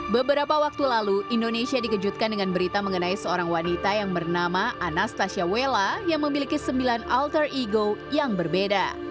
beberapa waktu lalu indonesia dikejutkan dengan berita mengenai seorang wanita yang bernama anastasia wella yang memiliki sembilan alter ego yang berbeda